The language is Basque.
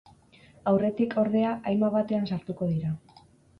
Aurretik, ordea, haima batean sartuko dira.